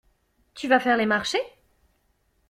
Tu vas faire les marchés?